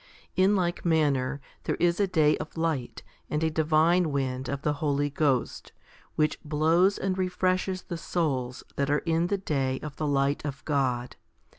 In like manner there is a day of light and a divine wind of the Holy Ghost, which blows and refreshes the souls that are in the day of the light of God.